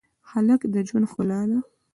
هلک د ژوند ښکلا ده.